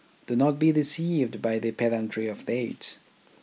Do not be deceived by the pedantry of dates.